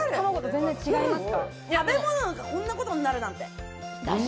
食べ物でこんなことになるなんて。